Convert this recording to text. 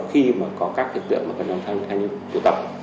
khi mà có các thiết kiệm của các nhóm thanh niên tổ tập